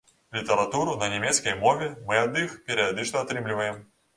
Літаратуру на нямецкай мове мы ад іх перыядычна атрымліваем.